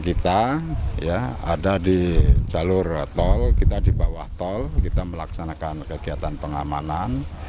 kita ya ada di jalur tol kita di bawah tol kita melaksanakan kegiatan pengamanan